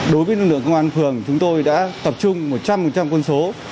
đối với lực lượng công an phường chúng tôi đã tập trung một trăm linh quân số